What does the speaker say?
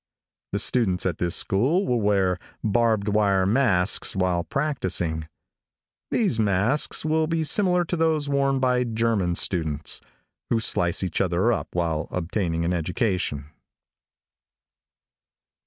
The students at this school will wear barbed wire masks while practicing. These masks will be similar to those worn by German students, who slice each other up while obtaining an education.